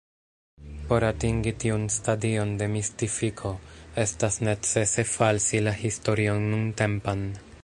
Por atingi tiun stadion de mistifiko, estas necese falsi la historion nuntempan.